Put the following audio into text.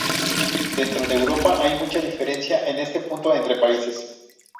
Dentro de Europa, hay mucha diferencia en este punto entre países.